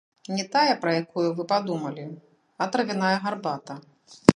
Не тая, пра якую вы падумалі, а травяная гарбата.